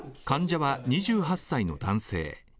患者は２８歳の男性。